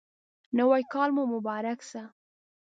نوی کال مو مبارک شه